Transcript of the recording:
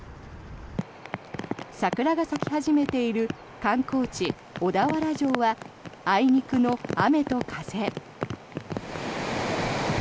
桜が咲き始めている観光地・小田原城はあいにくの雨と風。